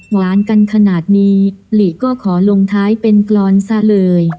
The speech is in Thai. หวานกันขนาดนี้หลีก็ขอลงท้ายเป็นกรอนซะเลย